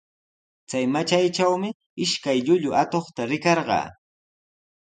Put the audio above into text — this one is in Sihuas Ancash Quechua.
Chay matraytraqmi ishkay llullu atuqta rikarqaa.